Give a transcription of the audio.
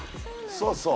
そうそう。